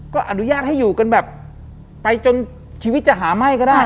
ก็อนุญาตให้อยู่กันแบบไปจนชีวิตจะหาไหม้ก็ได้